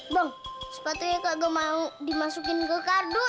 bang sepatunya kak gouw mau dimasukin ke kardus